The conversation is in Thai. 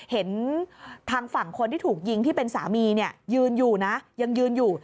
เห็นทางฝั่งคนที่ถูกยิงที่เป็นสามีเนี่ยยืนอยู่นะยังยืนอยู่